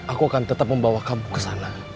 aku akan tetap membawa kamu ke sana